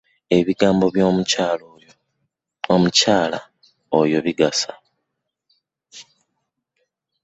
Ebigambo by'omukyala mukyala oyo bigasa.